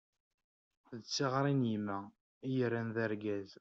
D tiɣri n yemma, i yi-erran d argaz.